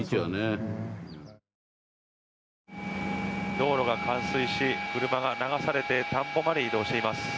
道路が冠水し車が流されて田んぼまで移動しています。